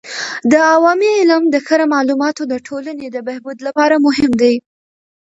د عوامي علم د کره معلوماتو د ټولنې د بهبود لپاره مهم دی.